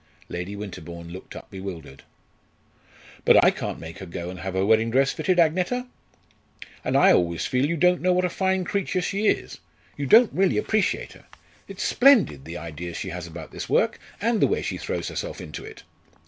Lady Winterbourne looked up bewildered. "But I can't make her go and have her wedding dress fitted, Agneta! And I always feel you don't know what a fine creature she is. You don't really appreciate her. It's splendid the ideas she has about this work, and the way she throws herself into it."